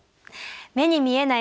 目に見えない